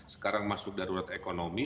sekarang masuk darurat ekonomi